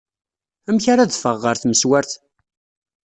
Amek ara adfeɣ ɣer tmeswart?